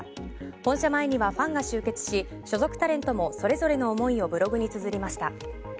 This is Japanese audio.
本社前にはファンが集結し所属タレントもそれぞれの思いをブログに綴りました。